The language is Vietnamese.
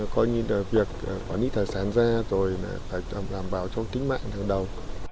coi như là việc quản lý thải sản ra rồi là phải làm bảo cho tính mạng thường đầu